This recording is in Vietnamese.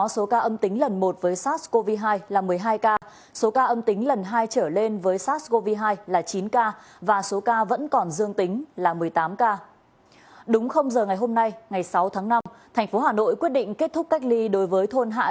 xin chào các bạn